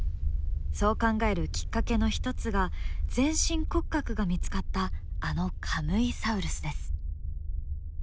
そう考えるきっかけの一つが全身骨格が見つかったあのカムイサウルスです。